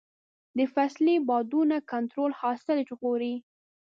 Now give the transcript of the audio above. د فصلي بادونو کنټرول حاصل ژغوري.